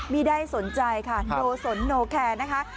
มีใดสนใจค่ะโนสนโนแครนะคะ